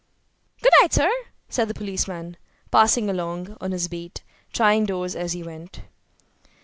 "Good night, sir," said the policeman, passing on along his beat, trying doors as he went.